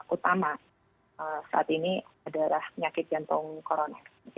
utama saat ini adalah penyakit jantung koroner